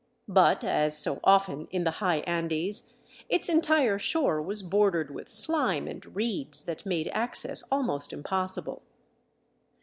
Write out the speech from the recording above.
But, as so often in the high Andes, its entire shore was bordered with slime and reeds that made access almost impossible.